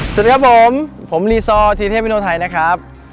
สวัสดีครับผมผมรีซอร์ทีมเทพวิโนไทยนะครับ